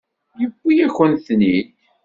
Yewwi-yakent-ten-id.